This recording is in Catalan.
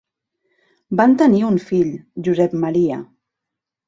Van tenir un fill, Josep Maria.